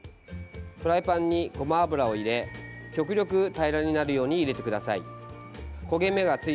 フライパンにごま油を入れ極力、平らになるように入れてください。